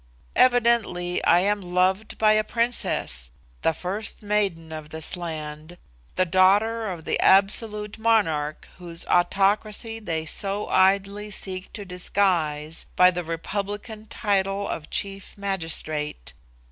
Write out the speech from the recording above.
Evidently I am loved by A PRINCESS, the first maiden of this land, the daughter of the absolute Monarch whose autocracy they so idly seek to disguise by the republican title of chief magistrate.